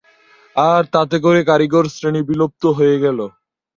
আর তাতে করে কারিগর শ্রেণি বিলুপ্ত হয়ে গেল।